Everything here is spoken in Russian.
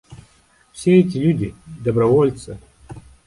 Все эти люди — добровольцы.